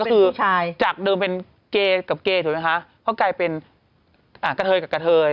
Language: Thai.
คือฟู้ชายจากเดิมเป็นเกกับเกฉันใช่ไหมค่ะเขากลายเป็นอ่ากระเทยกันกระเทย